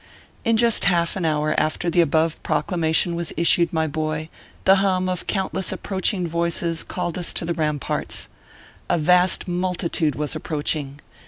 In just half an hour after the above Proclamation was issued, my boy, the hum of countless approach ing voices called us to the ramparts. A vast multi tude was approaching.